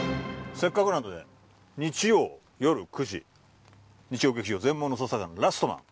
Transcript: せっかくなので日曜よる９時日曜劇場「全盲の捜査官ラストマン」